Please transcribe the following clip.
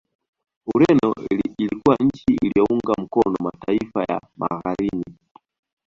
Ureno ilikuwa nchi iliyounga mkono mataifa ya Magharini